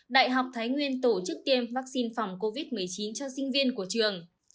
đại học thái nguyên tổ chức tiêm vaccine phòng covid một mươi chín cho sinh viên của trường